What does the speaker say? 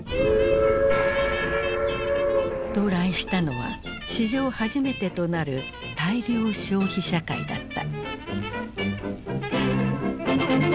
到来したのは史上初めてとなる大量消費社会だった。